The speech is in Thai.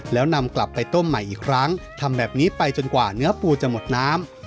แล้วนำกลับไปต้มใหม่อีกครั้งทำแบบนี้ไปจนกว่าเนื้อปูจะหมดน้ำ